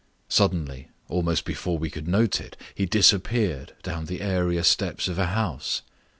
Suddenly, almost before we could note it, he disappeared down the area steps of a house.